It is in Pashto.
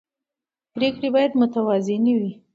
پرېکړې باید متوازنې وي